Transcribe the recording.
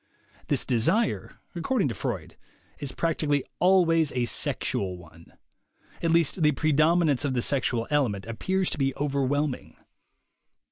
This de sire, according to Freud, is practically always a sexual one; at least the predominance of the sexual element appears to be overwhelming.